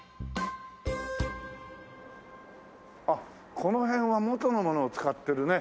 あっこの辺は元のものを使ってるね